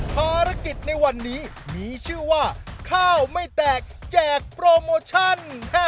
ภารกิจในวันนี้มีชื่อว่าข้าวไม่แตกแจกโปรโมชั่น